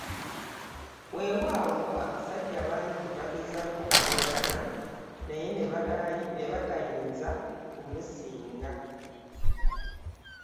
Weewaawo abasajja bangi baagezaako okuwakana naye, ne batayinza kumusinga.